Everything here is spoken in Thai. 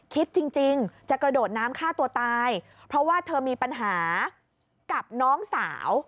คิดจริงจะกระโดดน้ำฆ่าตัวตายเพราะว่าเธอมีปัญหากับน้องสาว